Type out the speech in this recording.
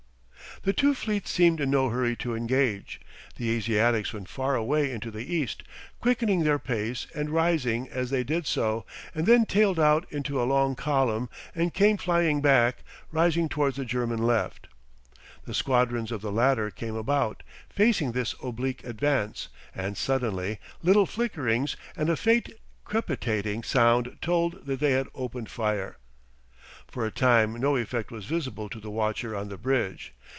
The two fleets seemed in no hurry to engage. The Asiatics went far away into the east, quickening their pace and rising as they did so, and then tailed out into a long column and came flying back, rising towards the German left. The squadrons of the latter came about, facing this oblique advance, and suddenly little flickerings and a faint crepitating sound told that they had opened fire. For a time no effect was visible to the watcher on the bridge.